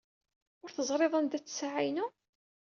Ur teẓriḍ anda-tt ssaɛa-inu?